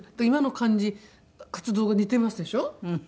今の感じ活動が似てますでしょ？